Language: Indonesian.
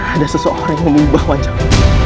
ada seseorang yang mengubah wajahmu